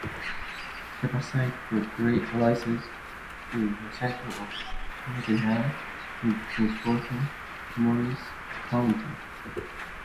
The Passaic rises in the center of Mendham, in southern Morris County.